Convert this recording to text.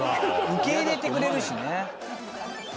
受け入れてくれるしね。